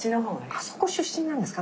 あそこ出身なんですか？